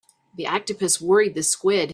The octopus worried the squid.